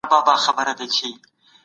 د بدن ورزش لپاره وخت وټاکئ.